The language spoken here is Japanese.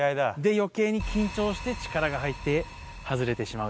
よけいに緊張して、力が入って外れてしまう。